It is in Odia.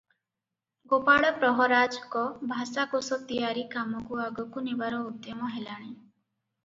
ଗୋପାଳ ପ୍ରହରାଜଙ୍କ ଭାଷାକୋଷ ତିଆରି କାମକୁ ଆଗକୁ ନେବାର ଉଦ୍ୟମ ହେଲାଣି ।